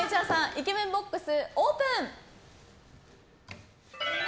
イケメンボックスオープン！